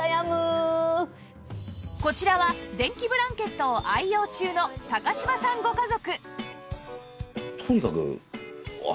こちらは電気ブランケットを愛用中の柴さんご家族